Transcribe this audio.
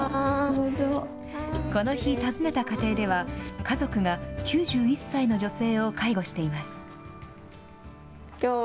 この日、訪ねた家庭では、家族が９１歳の女性を介護しています。